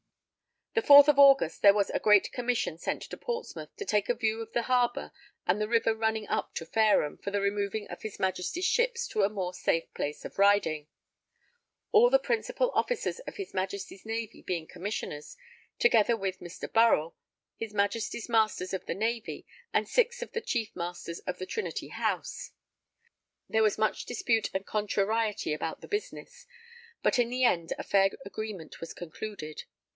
The 4th of August, there was a great Commission sent to Portsmouth, to take a view of the harbour and the river running up to Fareham, for the removing of his Majesty's ships to a more safe place of riding; all the Principal Officers of his Majesty's Navy being Commissioners, together with Mr. Burrell, his Majesty's Masters of the Navy, and six of the chief Masters of the Trinity House. There was much dispute and contrariety about the business, but in the end a fair agreement was concluded.